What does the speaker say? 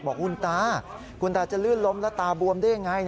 บอกคุณตาคุณตาจะลื่นล้มแล้วตาบวมได้ยังไง